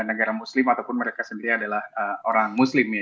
negara muslim ataupun mereka sendiri adalah orang muslim ya